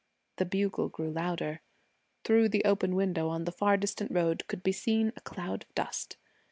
The bugle grew louder. Through the open window on the far distant road could be seen a cloud of dust.